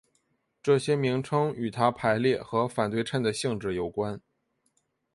这些名称与它排列和反对称的性质有关。